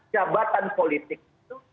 jabatan politik itu